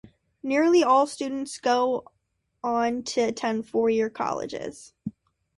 Nearly all students go on to attend four-year colleges.